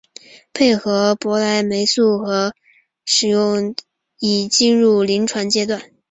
配合博莱霉素和顺铂使用电脉冲化疗治疗皮内和皮下肿瘤的研究已经进入临床阶段。